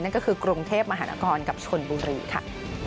นั่นก็คือกรุงเทพมหานครกับชนบุรีค่ะ